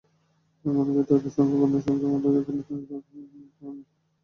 এমনকি তাদের সঙ্গে ভবনের বাইরে দেখা হলে তিনি তাদের চিনতে পারবেন না।